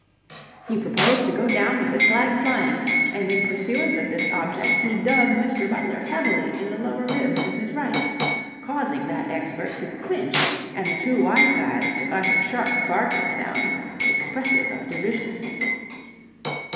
He proposed to go down with his flag flying, and in pursuance of this object he dug Mr. Butler heavily in the lower ribs with his right, causing that expert to clinch and the two wise guys to utter sharp barking sounds expressive of derision.